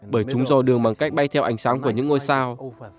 bởi chúng do đường bằng cách bay theo ánh sáng của những ngôi sao